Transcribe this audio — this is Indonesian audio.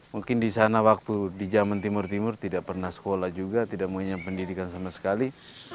mungkin di sana waktu di jaman timur timur tidak pernah sekolah juga tidak punya pendidikan sama sekali